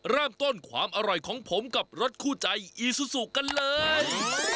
เริ่มต้นความอร่อยของผมกับรถคู่ใจอีซูซูกันเลย